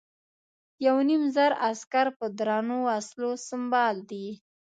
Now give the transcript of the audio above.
یو نیم زره عسکر په درنو وسلو سمبال دي.